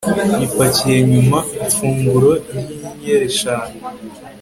bipakiye nyuma. ifunguro ryinyenyeri eshanu